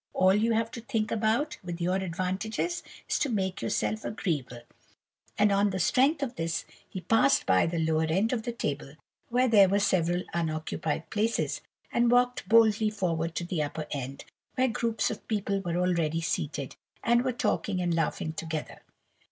All you have to think about, with your advantages, is to make yourself agreeable;' and, on the strength of this, he passed by the lower end of the table, where there were several unoccupied places, and walked boldly forward to the upper end, where groups of people were already seated, and were talking and laughing together.